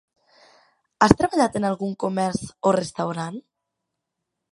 Has treballat en algun comerç o restaurant?